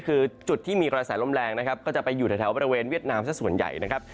คือจุดที่มีกระแสลมแรงนะครับก็จะไปอยู่แถวบริเวณเวียดนามสักส่วนใหญ่นะครับ